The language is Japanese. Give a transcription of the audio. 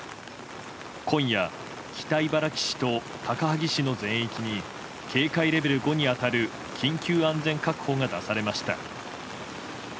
今夜、北茨城市と高萩市の全域に警戒レベル５に当たる緊急安全確保が出されました。